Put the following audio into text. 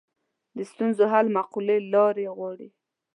د ستونزو حل معقولې لارې غواړي